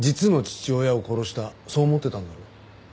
そう思ってたんだろ？